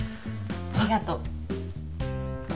ありがとう。